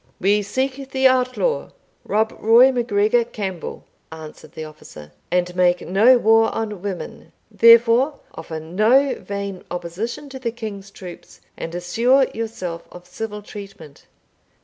"We seek the outlaw, Rob Roy MacGregor Campbell," answered the officer, "and make no war on women; therefore offer no vain opposition to the king's troops, and assure yourself of civil treatment."